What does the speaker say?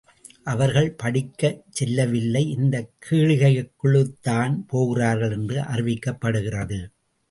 அவர்கள் படிக்கச் செல்லவில்லை இந்தக் கேளிக்கைகளுக்குத்தான் போகிறார்கள் என்று அறிவிக்கப்படுகிறது.